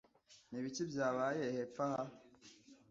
Ni ibiki byabaye hepfo aha?